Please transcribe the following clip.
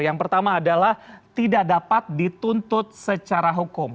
yang pertama adalah tidak dapat dituntut secara hukum